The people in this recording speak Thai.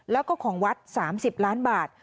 แล้วก็ของวัด๓๐ล้านบาท